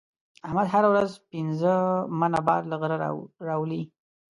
احمد هره ورځ پنځه منه بار له غره راولي.